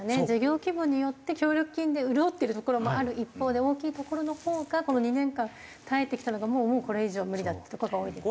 事業規模によって協力金で潤ってるところもある一方で大きいところのほうがこの２年間耐えてきたのがもうこれ以上は無理だってところが多い。